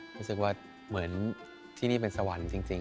รู้สึกว่าเหมือนที่นี่เป็นสวรรค์จริง